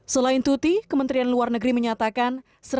selain tuti kementerian luar negeri menyatakan